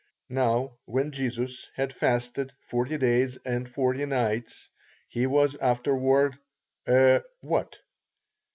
Now, when Jesus had fasted forty days and forty nights, he was afterward a what?